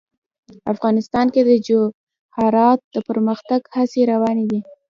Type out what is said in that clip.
افغانستان کې د جواهرات د پرمختګ هڅې روانې دي.